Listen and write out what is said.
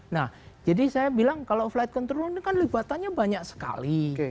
nah jadi saya bilang kalau flight control ini kan libatannya banyak sekali